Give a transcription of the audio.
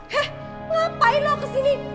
heh ngapain lo kesini